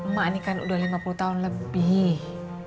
mak ini kan udah lima puluh tahun lebih